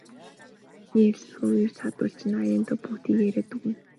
Эхний ярилцлагын үеэр цаадуул чинь аяндаа бүгдийг яриад өгнө.